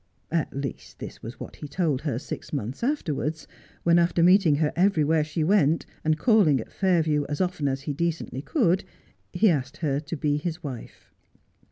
At least this was what he told her six months afterwards, when after meeting her everywhere she went, and calling at Kairview as often as he decently could, he asked her to be his wife.